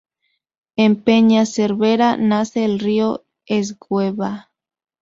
En Peña Cervera nace el río Esgueva.